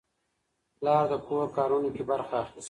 پلار د کور کارونو کې برخه اخلي.